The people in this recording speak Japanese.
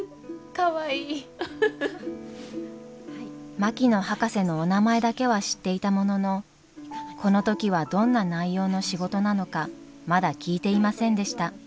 槙野博士のお名前だけは知っていたもののこの時はどんな内容の仕事なのかまだ聞いていませんでした